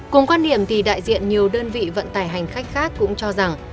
cùng quan điểm thì đại diện nhiều đơn vị vận tải hành khách khác cũng cho rằng